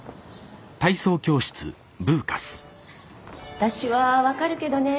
私は分かるけどね